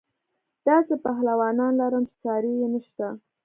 داسې پهلوانان لرم چې ساری یې نشته.